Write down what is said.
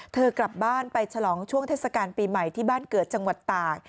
เธอกลับบ้านไปฉลองช่วงเทศกาลปีใหม่ที่บ้านเกิดจังหวัดตาก